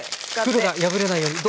袋が破れないように。